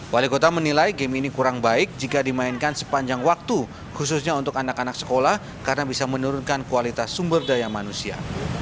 wali kota menilai game ini kurang baik jika dimainkan sepanjang waktu khususnya untuk anak anak sekolah karena bisa menurunkan kualitas sumber daya manusia